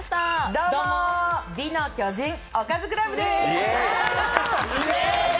どうも美の巨人おかずクラブです。